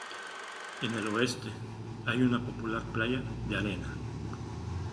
En el oeste, hay una popular playa de arena.